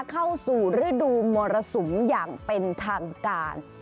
เข้าสู่ฤดูมรสุมอย่างเป็นทางการ